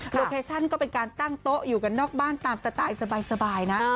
โลเคชั่นก็เป็นการตั้งโต๊ะอยู่กันนอกบ้านตามสไตล์สบายนะ